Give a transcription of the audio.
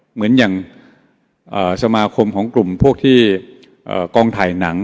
เหมือนอย่างสมาคมของกลุ่มพวกที่กองถ่ายหนัง